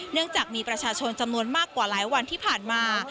เนื่องจากมีประชาชนจำนวนมากกว่าหลายวันที่ผ่านมา